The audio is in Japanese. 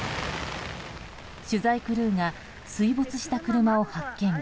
取材クルーが水没した車を発見。